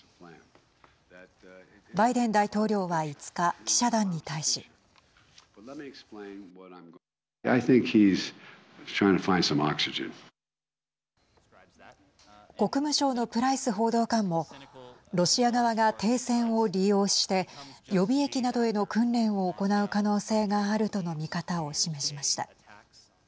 バイデン大統領は５日記者団に対し。国務省のプライス報道官もロシア側が停戦を利用して予備役などへの訓練を行う可能性があるとの見方を示しました。